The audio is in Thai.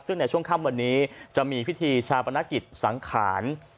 ซึ่งในช่วงค่ำวันนี้จะมีพิธีชาปนกิจสังขาร